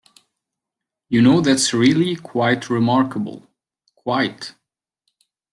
You know that’s really quite remarkable — quite.